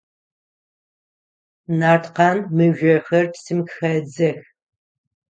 Нарткъан мыжъохэр псым хедзэх.